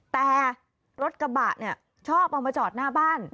แต่รถกระบะเนี่ยชอบเอามาจอดหน้าบ้าน